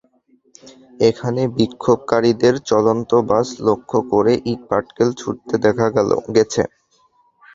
এখানে বিক্ষোভকারীদের চলন্ত বাস লক্ষ্য করে ইট পাটকেল ছুড়তে দেখা গেছে।